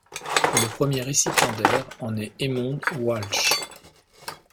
Le premier récipiendaire en est Eamonn Walsh.